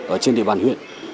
ở trên địa bàn huyện